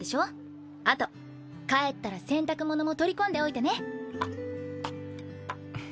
あと帰ったら洗濯物も取り込んでおいてね。